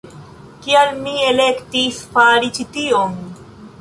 Kial mi elektis fari ĉi tion?